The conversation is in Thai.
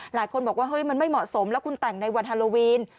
หลายคนบอกว่าเฮ้ยมันไม่เหมาะสมแล้วคุณแต่งในวันฮาโลวีน